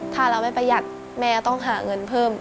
ถ้าเราไม่ประหยัดแม่ต้องหาเงินเพิ่ม